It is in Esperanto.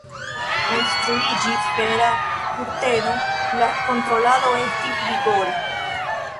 Konstruiĝis Fera kurteno, la kontrolado estis rigora.